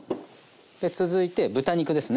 続いて豚肉ですね。